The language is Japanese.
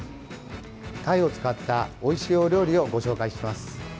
タイを使ったおいしいお料理をご紹介します。